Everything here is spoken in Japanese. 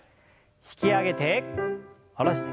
引き上げて下ろして。